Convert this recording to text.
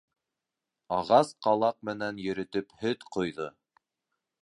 Ағас ҡалаҡ менән йөрөтөп һөт ҡойҙо.